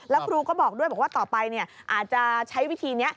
แล้วครูก็บอกด้วยบอกว่าต่อไปอาจจะใช้วิธีนี้